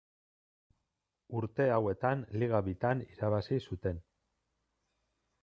Urte hauetan liga bitan irabazi zuten.